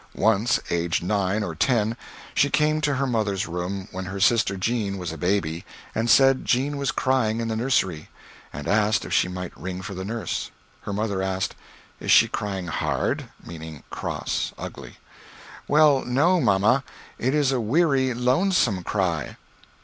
Once aged nine or ten she came to her mother's room, when her sister Jean was a baby, and said Jean was crying in the nursery, and asked if she might ring for the nurse. Her mother asked: "Is she crying hard?" meaning cross, ugly. "Well, no, mamma. It is a weary, lonesome cry."